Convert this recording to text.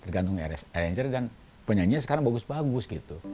tergantung arranger dan penyanyinya sekarang bagus bagus gitu